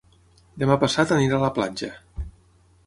Demà passat anirà a la platja.